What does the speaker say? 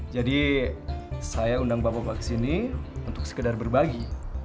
jadi saya undang bapak bapak ke sini untuk sekedar berbagi